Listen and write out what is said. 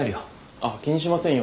あっ気にしませんよ。